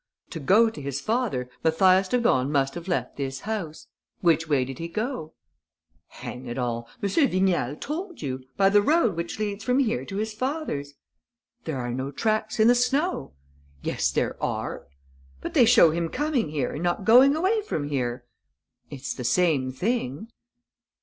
To go to his father, Mathias de Gorne must have left this house. Which way did he go?" "Hang it all, M. Vignal told you: by the road which leads from here to his father's!" "There are no tracks in the snow." "Yes, there are." "But they show him coming here and not going away from here." "It's the same thing."